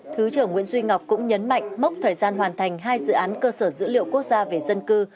thứ trưởng nguyễn duy ngọc cũng nhấn mạnh mốc thời gian hoàn thành hai dự án cơ sở dữ liệu quốc gia về dân cư